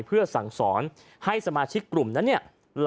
เพื่อสั่งสอนให้สมาชิกกลุ่มนั้นเนี่ย